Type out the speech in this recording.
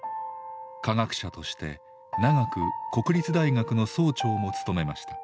科学者として長く国立大学の総長も務めました。